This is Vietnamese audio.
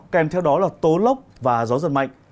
kèm theo đó là tố lốc và gió giật mạnh